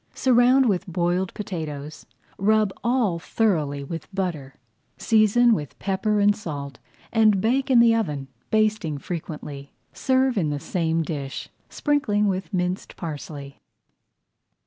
Surround with boiled potatoes, rub all thoroughly with butter, season with pepper and salt, and bake in the oven, basting frequently. Serve in the same dish, sprinkling with minced parsley.